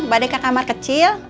badai ke kamar kecil